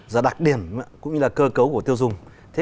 giá đặc điểm cũng như là cơ cấu của tiêu dùng